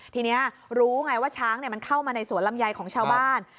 ทีนี้รู้ไงว่าช้างมันเข้ามาในสวนลำไยของชาวบ้าน